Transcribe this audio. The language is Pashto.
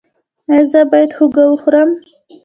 ایا زه باید هوږه وخورم؟